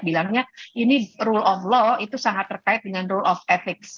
bilangnya ini rule of law itu sangat terkait dengan rule of effic